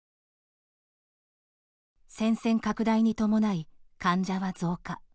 戦線拡大に伴い、患者は増加。